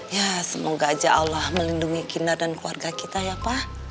ya semoga aja allah melindungi kita dan keluarga kita ya pak